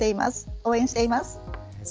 応援しています。